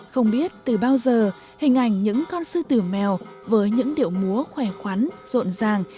không biết từ bao giờ hình ảnh những con sư tử mèo với những điệu múa khỏe khoắn rộn ràng